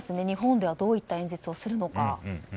日本ではどういった演説をするのか。